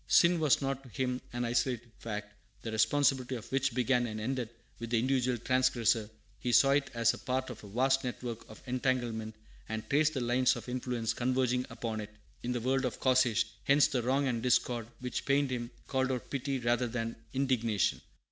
Sin was not to him an isolated fact, the responsibility of which began and ended with the individual transgressor; he saw it as a part of a vast network and entanglement, and traced the lines of influence converging upon it in the underworld of causation. Hence the wrong and discord which pained him called out pity, rather than indignation.